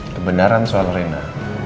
kebenaran soal rena